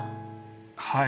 はい。